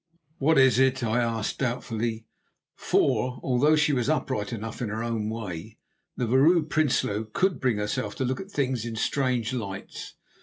"What is it?" I asked doubtfully; for, although she was upright enough in her own way, the Vrouw Prinsloo could bring herself to look at things in strange lights.